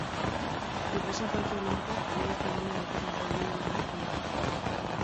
Enpresa faltsuen aurka inoiz egin den operazio handiena da honakoa.